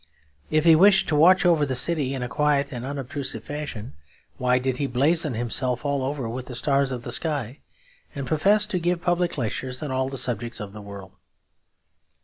If he wished to watch over the city in a quiet and unobtrusive fashion, why did he blazon himself all over with all the stars of the sky, and profess to give public lectures on all the subjects of the world?